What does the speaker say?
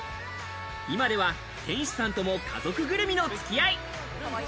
今では店主さんとも家族ぐるみの付き合い。